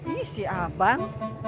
ih si abang